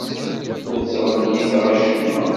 Ur ttɣelliteɣ acemma.